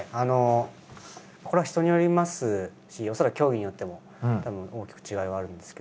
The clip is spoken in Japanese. これは人によりますし恐らく競技によってもたぶん大きく違いはあるんですけど。